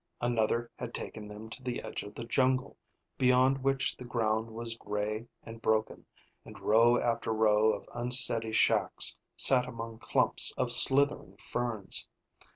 Another had taken them to the edge of the jungle, beyond which the ground was gray and broken, and row after row of unsteady shacks sat among clumps of slithering ferns.